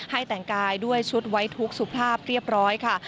แต่งกายด้วยชุดไว้ทุกข์สุภาพเรียบร้อยค่ะ